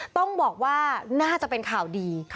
ต้องบอกว่าน่าจะเป็นข่าวดี